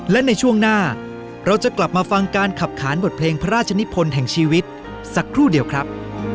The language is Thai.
และในช่วงหน้าเราจะกลับมาฟังการขับขานบทเพลงพระราชนิพลแห่งชีวิตสักครู่เดียวครับ